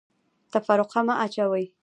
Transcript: تفرقه مه اچوئ